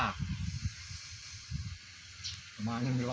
มันบอกโทรศัพท์ไม่มีเงินลุงมีโทร